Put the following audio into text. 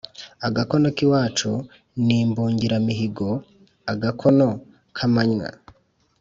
Agakono k'iwacu ni imbungiramihigo-Agakono k'amanywa.